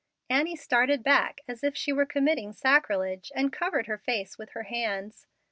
Annie started back as if she were committing sacrilege, and covered her face with her hands.